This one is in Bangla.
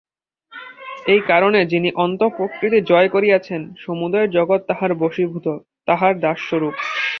এই কারণে যিনি অন্তঃপ্রকৃতি জয় করিয়াছেন, সমুদয় জগৎ তাঁহার বশীভূত, তাঁহার দাসস্বরূপ।